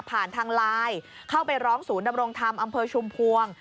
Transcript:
ทางไลน์เข้าไปร้องศูนย์ดำรงธรรมอำเภอชุมพวง